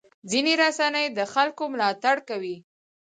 ځینې رسنۍ د خلکو ملاتړ کوي.